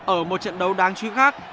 ở một trận đấu đáng chú ý khác